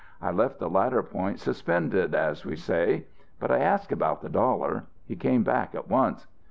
I left the latter point suspended, as we say. But I asked about the dollar. He came back at once.